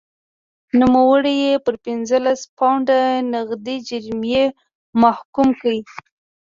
نوموړی یې پر پنځلس پونډه نغدي جریمې محکوم کړ.